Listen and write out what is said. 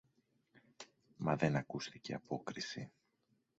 Μα δεν ακούστηκε απόκριση.